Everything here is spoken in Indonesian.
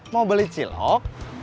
mau beli cilok